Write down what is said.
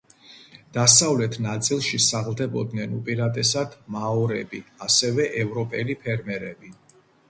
დასავლეთ ნაწილში სახლდებოდნენ უპირატესად მაორები, ასევე ევროპელი ფერმერები.